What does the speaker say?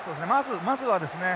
まずはですね